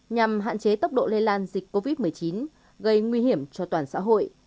nhằm hạn chế tốc độ lây lan dịch covid một mươi chín gây nguy hiểm cho toàn xã hội